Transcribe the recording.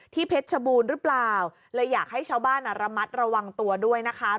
เพชรชบูรณ์หรือเปล่าเลยอยากให้ชาวบ้านระมัดระวังตัวด้วยนะคะ